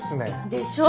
でしょ？